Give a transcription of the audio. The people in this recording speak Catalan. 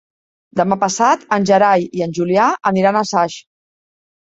Demà passat en Gerai i en Julià aniran a Saix.